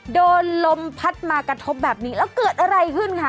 ลมพัดมากระทบแบบนี้แล้วเกิดอะไรขึ้นคะ